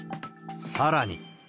さらに。